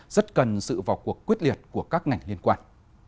rất cần sự vào cuộc quyết liệt của các ngành liên quan